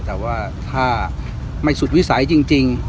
แต่ว่าถ้าไม่สุดวิสัยจริง